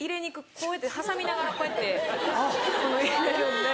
こうやって挟みながらこうやって入れてるんで。